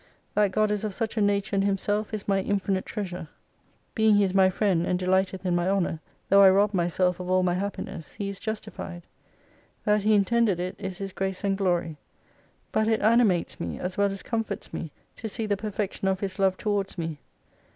That God is of such a nature in Himself is my infinite treasure. Being He is my friend, and delighteth in my honour, though I rob myself of all my happiness, He is justified. That He intended it, is His grace and glory. But it animates me, as well as comforts me, to see the perfection of His Love towards me.